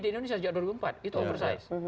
di indonesia sejak dua ribu empat itu oversize